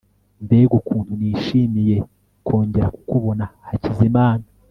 mbega ukuntu nishimiye kongera kukubona, hakizimana